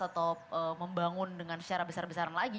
atau membangun dengan secara besar besaran lagi